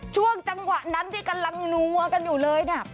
ช่วงจังหวะนั้นที่กำลังนัวกันอยู่เลยนะ